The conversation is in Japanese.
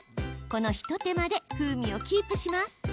この一手間で風味をキープします。